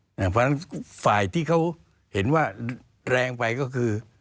เพราะฉะนั้นฝ่ายที่เขาเห็นว่าแรงไปก็คือ